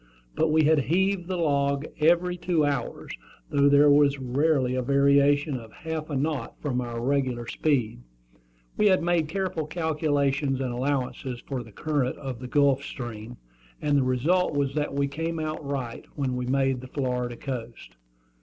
But we had heaved the log every two hours, though there was rarely a variation of half a knot from our regular speed. We had made careful calculations and allowances for the current of the Gulf Stream, and the result was that we came out right when we made the Florida coast.